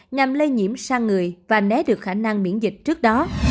nhằm lây nhiễm sang người và né được khả năng miễn dịch trước đó